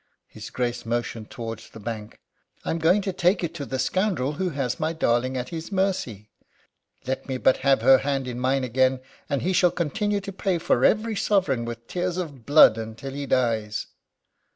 His Grace motioned towards the bank. "I'm going to take it to the scoundrel who has my darling at his mercy. Let me but have her hand in mine again, and he shall continue to pay for every sovereign with tears of blood until he dies."